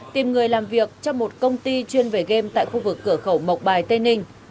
tìm người làm việc trong một công ty chuyên về game tại khu vực cửa khẩu mộc bài tây ninh